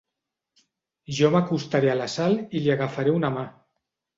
Jo m'acostaré a la Sal i li agafaré una mà.